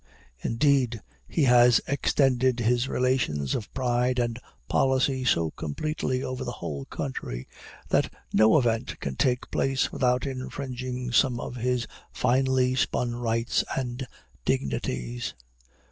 Indeed he has extended his relations of pride and policy so completely over the whole country, that no event can take place, without infringing some of his finely spun rights and dignities.